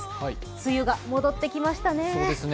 梅雨が戻ってきましたね。